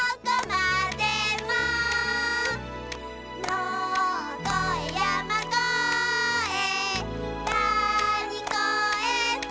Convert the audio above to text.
「のをこえやまこえたにこえて」